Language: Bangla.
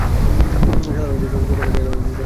সাধারণ ইচ্ছা সকল সময়ই যথার্থ এবং জনগণের মংগলাভিমুখী।